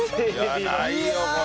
いやないよこれ。